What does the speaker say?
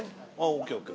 ＯＫＯＫ。